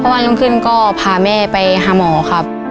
ประมาณรุ่นขึ้นก็พาแม่ไปหาหมอครับ